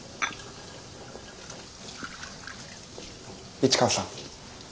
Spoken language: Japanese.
市川さん。